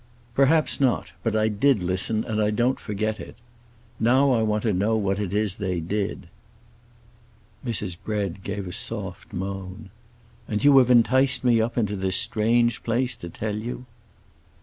"Perhaps not. But I did listen, and I don't forget it. Now I want to know what it is they did." Mrs. Bread gave a soft moan. "And you have enticed me up into this strange place to tell you?"